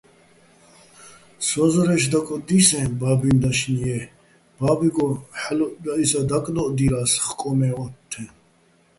სოჼ ზორე́ჲში̆ დაკოდისეჼ ბა́ბუჲჼ დაშნი-ჲე́ ბაბუჲგო̆ დაკდო́ჸდინას ხკო მე ოთთეჼ.